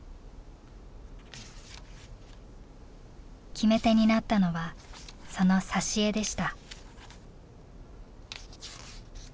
決め手になったのはその挿絵でした。